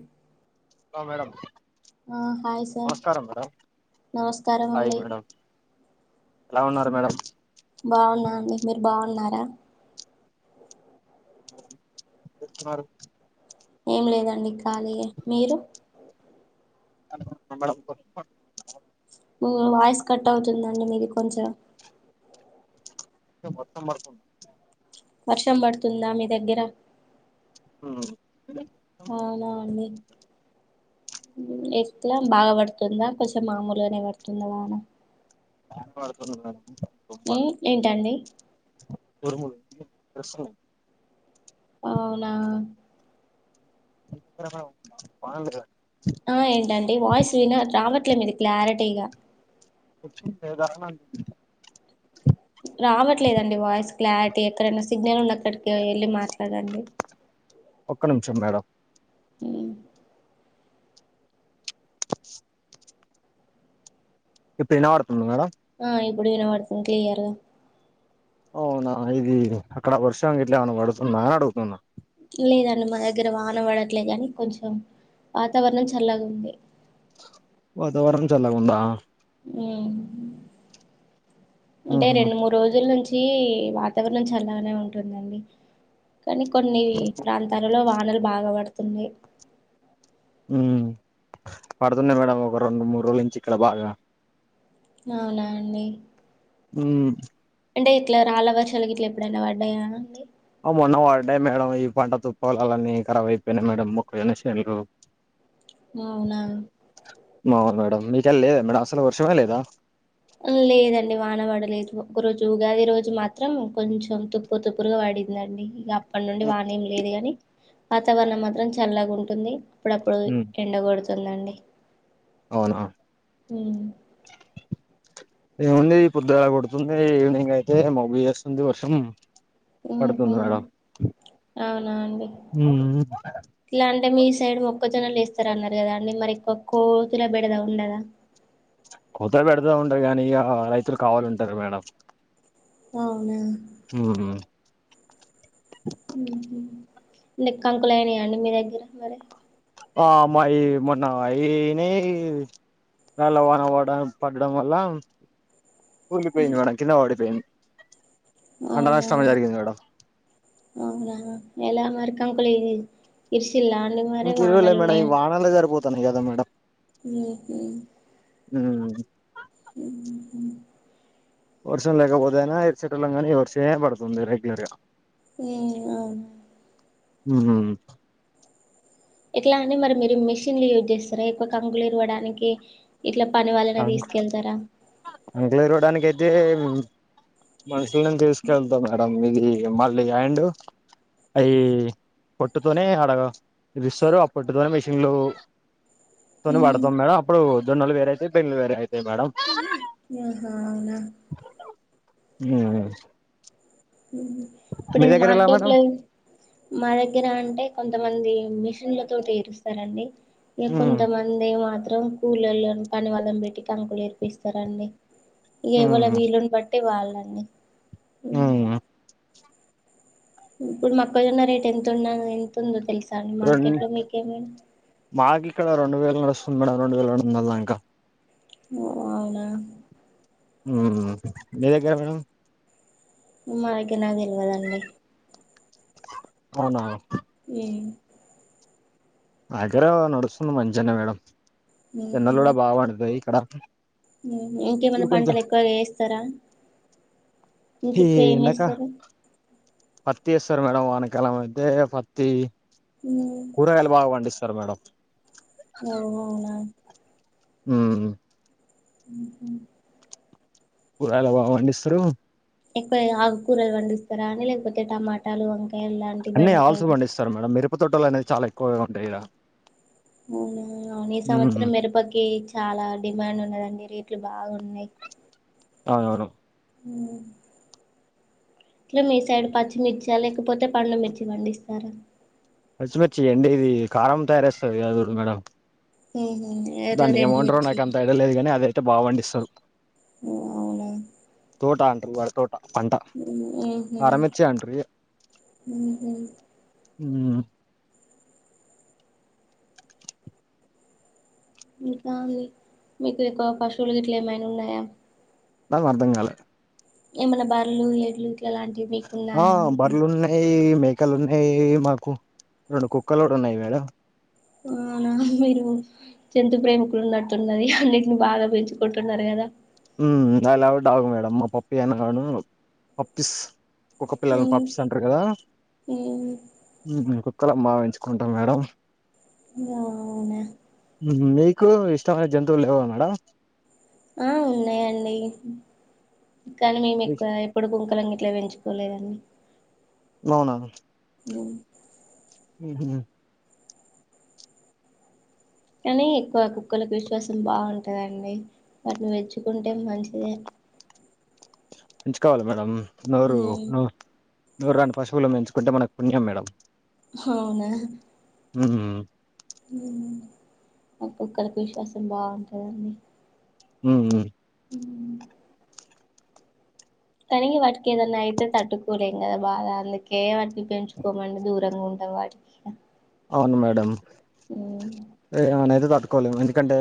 హ hello madam, నమస్కారం madam hi నమస్కారమండి మేడం ఎలా ఉన్నారు మేడం బాగున్నా అండి, మీరు బాగున్నారా? ఏం చేస్తున్నారు? ఏం లేదండి, ఖాళీయే మీరు? మే మీ వాయిస్ కట్ అవుతుందండి మీది కొంచం. వర్షం పడుతుంది. వర్షం పడుతుందా మీ దగ్గర? హ్మ్ అవునా అండి. ఎట్ల బాగా పడుతుంద కొంచెం మామూలుగనే పడుతుందా వాన? బానే పడుతుందండి. ఏ ఏంటండి? ఉరుములు [unintelligible] అవునా బానే [unintelligible] ఆ ఏంటండి వాయిస్ విన రావట్లే మీది క్లారిటీగా. ఏదన్ రావట్లేదండి వాయిస్ క్లారిటీ ఎక్కడన్న సిగ్నల్ ఉన్న కాడికి ఎళ్ళి మాట్లాడండి. ఒక్క నిమిషం మేడం. ఉమ్ ఇప్పుడు వినపడు ఆ ఇప్పుడు వినబడుతుంది క్లియర్ గా అవునా ఇది అక్కడ వర్షం గిట్ల ఏమైనా పడుతుందా అని అడుగుతున్నా లేదండి మా దగ్గర వాన పడట్లేదు కాని కొంచెం వాతావరణం చల్లగా ఉంది వాతవరణం చల్లగా ఉందా ఊ అంటే ఆహా రెండు మూడు రోజుల నుంచి తి వాతావరణం చల్లగా ఉంటుందండి కానీ కొన్ని ప్రాంతాలలో వానలు బాగా పడుతున్నాయి ఉ పడుతున్నాయి మేడం ఒక రెండు మూడు రోజుల నుంచి ఇక్కడ బాగా అవునా అండి ఉ అంటే ఇట్లా రాళ్ళ వర్షాలకు ఇట్లా ఎప్పుడైనా పడ్డాయా అండి ఆ మొన్న పడ్డాయి మేడం ఈ పంట తుప్పలాలన్నీ కరాబ్ అయిపోయినాయి మేడం మొక్కజొన్న చెన్లు స్ అవునా అవును మేడం మీకెల్ల లేదా మేడం అసలు వర్షమే లేదా లేదండి వాన పడలేదు ఒక రోజు ఉగాది రోజు మాత్రం కొంచెం తుప్పు తుప్పులుగా పడి పడిందండి ఇక అప్పటి నుండి వానేం లేదు గాని వాతావరణం మాత్రం చల్లగా ఉంటుంది అప్పుడప్పుడు హ్మ్. ఎండ గొడుతుందండి అవునా ఊ ఏముంది పొద్దులా కొడుతుంది ఈవినింగ్ అయితే మబ్బు చేస్తుంది వర్షం ఉహు పడుతుంది మేడం అవునా అండి హ్మ్. ఇట్ల అంటే మీ సైడ్ మొక్కజొన్న వేస్తారు అన్నారు కదా అండి మరి కోతుల బెడదా ఉండదా కోతుల బెడదా ఉండదు కానీ ఇగా రైతులు కావాల ఉంటారు మేడం అవున హు మీకు కాంకులు అయినా అండి మీ దగ్గర మరి ఆ మాయి మొన్న అయినాయ్ రాళ్ళ వాన పడ్డ పడడం వల్ల హ్మ్. కూలిపోయింది మేడం కింద పడిపోయింది పంట అవునా నష్టం జరిగింది మేడం అవునా ఎలా మరీ కంకులు ఇరిసి ఇంక ఇరువలే మేడం ఈ వానాలే సరిపోతున్నాయి కదా మేడం ఉహు ఊ ఉహూ వర్షం లేకపోతేయినా విడిచే టోల్లం కానీ ఈ వర్షమే పడుతుంది రెగ్యులర్ గా ఏ అవున ఉహు ఏట్లా అండి మరి మీరు మిషన్లు యూజ్ చేస్తార ఎక్కువ కంకులు ఇరవడానికి ఇట్లా పని వాళ్ళని కంకు తీసుకెళ్తారా కంకులు ఈరవాడని కి అయితే తే మనుషుల తీసుకెళ్తా మేడం ఇది మళ్ళీ అండు అయి పొట్టుతోనే అడగ ఇరుస్తారు ఆ పట్టుతోనే మిషన్లు తొని ఉమ్ పడతాం మేడం అప్పుడు జోన్నలు వేర అయితే బెండ్లు వేర అయితే ఆహా అవునా నో వాయిస్ ఊ ఇప్పుడు ఇది మార్కెట్ లో మా దగ్గర అంటే కొంతమంది మిసై న్ల తొటి తించుతారండి మేము కొంతమంది మా రాం కులోల్లు పని వాళ్ళని పెట్టి కంకులు ఏర్పిస్తారండి ఇగ ఎవలు వీలుని బట్టి వాళ్ళండి ఉమ్ఉ ఇప్పుడు మక్కజొన్న రేట్ ఎంతన్న ఎంతతుందో తెలుస్ రోం మాక్ ఇక్కడ రోండు వేల్ నడుస్తుంది మేడం రెండువేల్ రెండొందల్ దాంక ఓ అవునా ఉమ్ మి దగ్గర మేడం మాకి నా తెలివదండి అవునా మ్మ్ మాగరో నడుస్తుంది మంచనే మేడం. ఎండలు కూడా బాగావాడ్తాయ్ ఇక్కడ ఉమ్ ఇప్పుడు ఇంకేమైన్నా కొంచెం పంటలు ఎక్కువగా వేస్తరా ఈ ఇంకెక్కువ ఏం ఎండక ఏస్తరు పత్తి ఎస్తరు మేడం వానకాలం అయితే పత్తి ఉమ్, కూరగాయలు బాగా పండిస్తారు మేడం ఓహో నా ఉమ్ ఉహూ కురగాయలు బాగా పండిస్తారు ఎక్కువ ఆగుకూరలు పండిస్తారా అండి లేకపోతే టమాటాలు వం అన్నీ ఆల్స్ పండిస్తారు మేడం మిరుప తోటలు అనేవి చాలా ఎక్కువగా ఉంటాయి ఇడ ఉమ్మ్ మ్మ్ అవున్ ఈ సంవత్సరం మీర్పకి చాలా డిమాండ్ ఉన్నదండి రేట్లు బాగున్నాయ్ అవునవును మ్ ట్లు మీ సైడ్ పచ్చిమిర్చా లేకపోతే పండుమిర్చి పండిస్తారా మచ్చిమిర్చి ఎండి ఇది కారం తయార్చేస్తర్ కాద మేడం ఊహు దాన్ని ఏమంట్రో నాక అంత ఐడియలేదు గానీ అదయితే బాగా పండిస్తారు ఓ అవునా తోటా అంటరు వర్ తోట్ మ్ ఉహు అంటారు ఇగ ఉహు ఉమ్ ఇంకా ఇది మీకు ఎక్కువ పశువులు గిట్లే ఏమైనా ఉన్నాయా దాల్ అర్థంగాలే ఏమన్నా బర్రలు ఎడ్లు ఇట్లాలాంటివి మీకు ఆ ఉన్నాయా అంటు బర్రెలు ఉన్నాయి మేకలు ఉన్నాయి మాకు రెండు కుక్కలు ఉన్నాయి మేడం ఆ నా మీరు జంతు ప్రేమికులున్నట్టున్నది అన్నిటిని బాగా పెంచుకుంటున్నారు కదా ఉమ్ నా లవ్ డాగ్ మేడం మా పప్పి అన్గాను పప్పీస్ కుక్క పిల్లల్నీ ఉమ్, పాప్స్ అంట్ర్ కదా ఉమ్, కుక్కల మావెంచుకుంటాం మేడం య ఆవ్నా మీకు ఇష్టమైన జంతువులు లేవ మేడం ఆ ఉన్నాయండి కానీ మేము ఎక్కువ ఎప్పుడు కుక్కలంగిట్ల పెంచు కోలేదాన్ని నవునా మ్మ్ మ్మ్ హు కానీ ఎక్కువ కుక్కలకు విశ్వాసం బాగుంటుందండి వాటిని వెచ్చుకుంటే మంచిదే ఎంచుకోవాలి మేడం నోరు ఉమ్, నోర్ నోరని పశువులను మంచుకుంటే మనకు పుణ్యం మేడం అవునా ఉమ్ ఉమ్ మా కుక్కలకు విశ్వాసం బాగుంటదండి ఉ ఉమ్ ఉమ్, కానీ వాటికి ఏదన్నా అయితే తట్టుకోలేం కదా బాధ అందుకే వాటిని పెంచుకోమండి దూరంగా ఉం టా వాటికి అవును మేడం ఉమ్ ఏమనైతే తట్టుకోలేము ఎందుకంటే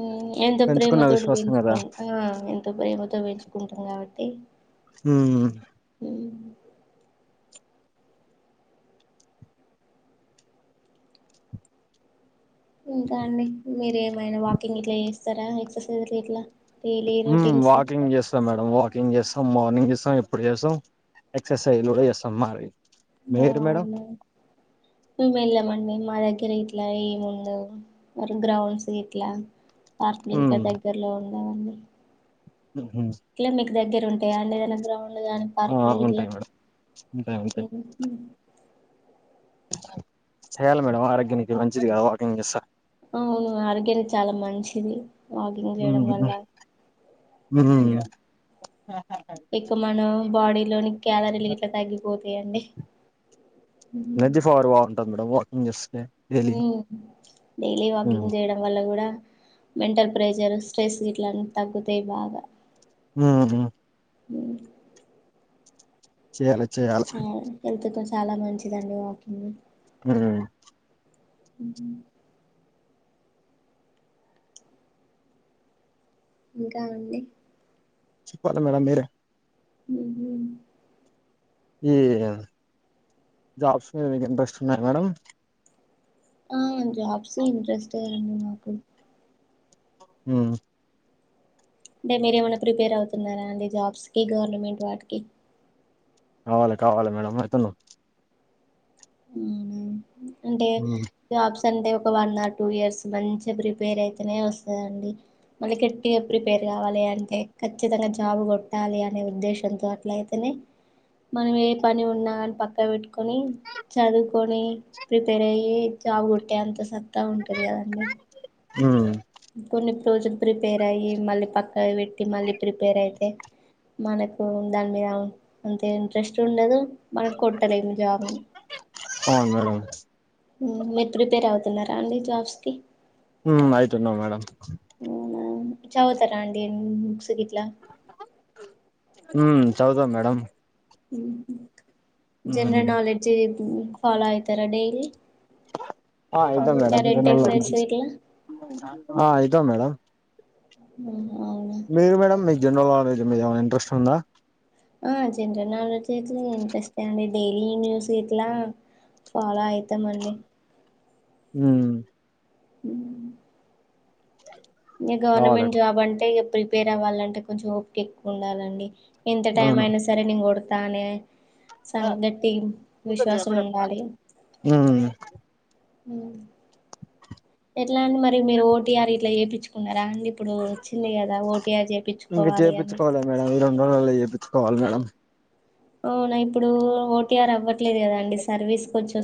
ఉ ఎంత పెంచుకున్న ప్రేమతోటి విశ్వాసం కదా పెయించకో ఆ ఎంత ప్రేమ తో పెంచుకుంటాం కాబట్టి ఉ ఉమ్ ఉమ్ ఇంకా అండి మీరు ఏమైనా వాకింగ్ ఇట్లా చేస్తారా ఎక్ససైజ్ అట్లా ఇట్లా డైలీ ఉమ్ రొటీన్స్ వాకింగ్ చేస్తాం మేడం వాకింగ్ చేస్ స్తాం మార్నింగ్ చేస్తాం ఎప్పుడు చేస్తాం ఎక్సర్సైజ్ కూడా చేస్తాం మరి ఓ మీరు మేడం అవునా మేం వేలం మం మా దగ్గర ఇట్లా ఏం ఉండవు మరి గ్రౌండ్స్ ఇట్లా లాస్ట్ మినిట్లో ఉమ్, దగ్గరలో ఉండవండి ఉహుం ఇట్లా మీకు దగ్గర ఉంటాయండి ఏదన్నా గ్రౌండ్ ఉండదా అండి ఆ, పార్కులు గిట్ల ఉంటాయి మేడం ఉంటాయి ఉంటాయి ఉ ఉ ఉమ్ చేయాలి మేడం ఆరోగ్యానికి మంచిది కదా వాకింగ్ చేస్తా ఓ అవును ఆరోగ్యానికి చాలా మంచిది వాకింగ్ ఉమ్ చేయడం వల్ల హు ఇక మన బాడీ లోని క్యాలరీలు ఇట్లా తగ్గిపోతాయండి నది ఫార్వా ఉంటది మేడం వాకింగ్ చేస్తే డైలీ ఉమ్ డైలీ ఉమ్ వాకింగ్ చేయడం వల్ల కూడా మెంటల్ ప్రెషర్ స్ట్రెస్ గిట్లన్నీ తగ్గుతాయి బాగా ఉ హుం ఉ చేయాలి చేయాలి ఆ హెల్త్ కి చాలా మంచిదండి వాకింగ్ అ ఉహు ఇంకా అండి చెప్పాలి మేడం మీరే ఉహు ఏ జాబ్స్ మీద ఇంట్రెస్ట్ ఉన్నాయి మేడం ఆ జాబ్ ఎ ఇంట్రెస్ట్ అండి నాకు ఉ అంటే మీర ఏమైనా ప్రిపేర్ అవుతున్నారా అండి జాబ్స్ కి గవర్నమెంట్ వాటికి కావాలి కావాలి మేడం అయితున్న ఉమ్ అంటే ఉమ్ జాబ్స్ సండే ఒక వన్ ఆర్ టూ ఇయర్స్ మంచిగా ప్రిపేర్ అయితేనే వస్తదండి మళ్ళీ గట్టిగా ప్రిపేర్ రావాలి అంటే ఖచ్చితంగా జాబ్ కొట్టాలి అనే ఉద్దేశంతో అట్లా అయితేనే మనం ఏ పని ఉన్నా కాని పక్క వెట్టుకొని చదువుకొని ప్రిపేర్ అయ్యి జాబ్ కొట్టేంత సత్తా ఉంటది కదండీ ఊ కొన్ని పోర్షన్ ప్రిపేర్ అయ్యి మళ్ళీ పక్క పెట్టి మళ్ళీ ప్రిపేర్ అయితే మనకు దాని మీద అంతే ఇంట్రెస్ట్ ఉండదు మనం కొట్టలేము జాబ్ ని అవును మేడం ఊమ్ మీరు ప్రిపేర్ అవుతున్నారా అండి జాబ్స్ కి ఉమ్ అయితున్నాం మేడం మీరు చదవతరాండి బుక్స్ ని ఊ చదువు తాము మేడం ఊహు ఉమ్ జనరల్ నాలెడ్జ్ ఇ ఫాలో అయితరా డైలీ ఆ ఐతం madam general current knowledge affairs books ఇట్లా ఆ అయితం మేడం ఉ వెటిమీదన్న ఇంట్రెస్ట్ ఉందా, ఆ జెనరల్ నాలెడ్జ్ ఐతే ఇంట్రెస్టే అండి డైలీ న్యూస్ ఇట్లా ఫాలో అయితామండి ఊ ఊమ్ ఇంకా కావాలి గవర్నమెంట్ జాబ్ అంటే ఇగ ప్రిపేర్ అవ్వాలంటే కొంచెం ఓప్కి ఎక్కువ ఉండాలండి, ఎంత టైం అవును అయినా సరే నేన్ గొడతా అనే సంఘటిం విశ్వాసము ఉండాలి. ఉమ్ ఊ చుకున్నారా అండి ఇప్పుడు వచ్చింది గదా ఓటీయార్ చేపిచుకోవాలి అని అందరం అల్లా చేయించుకోవాలి మేడం, అవునా ఇప్పుడు ఓటీఆర్ అవ్వట్లేదు క దా అండి సర్వీస్ కొంచం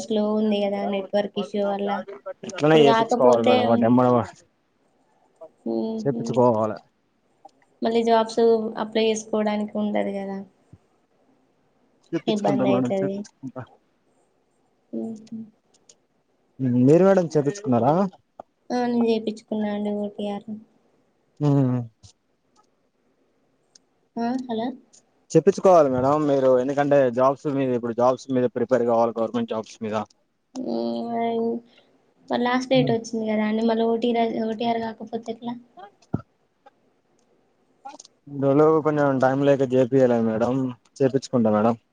ఎట్లనో ఇప్పుడు చేపిచుకోవాలి కాకపోతే మేడం తొందరగా ఉహు చెప్పించుకోవాల మళ్ళీ జాబ్స్ అప్లై చేసుకోవడానికి ఉండదు కాదా చేపిచ్చుకుంటా ఇబ్బది మేడం అయితది. చేపిచ్చుకుంటా మీరు మేడం చేపిచుకున్నారా, ఆ నేను చేపిచుకున్నా అండి ఒ టి యార్ ఊ ఆ హలో చెప్పించుకోవాలి మేడం, మీరు ఎందుకంటే జాబ్స్ మీద ఇప్పుడు జాబ్స్ మీద ప్రిపేర్ కావాలి గవర్నమెంట్ జాబ్స్ మీద, ఊమ్ అయి లాస్ట్ డేట్ వచ్చింది. కదా అండి మళ్ళీ ఓటీఆర్, ఓటీఆర్ కాకపోతే ఏట్ [unintelligible] ఇన్ని రోజులు కొంచెం టైం లేక చేపియలే మేడం చేపిచుకుంటా మేడం, [unintelligible]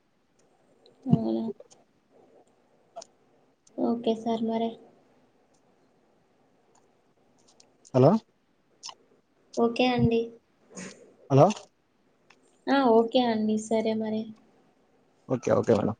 అవునా ఓకే సార్ మరి హలో ఓకే అండి హలో ఆ ఓకే అండి సరే మరి ఓకే ఓకే మేడం